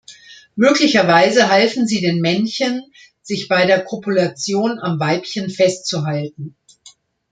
Möglicherweise halfen sie den Männchen, sich bei der Kopulation am Weibchen festzuhalten.